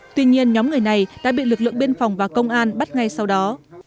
tuy nhiên nhóm người này đã bị lực lượng biên phòng và công an bắt ngay sau đó